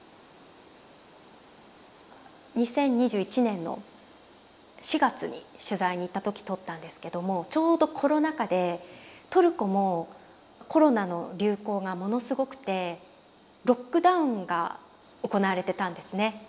２０２１年の４月に取材に行った時撮ったんですけどもちょうどコロナ禍でトルコもコロナの流行がものすごくてロックダウンが行われてたんですね。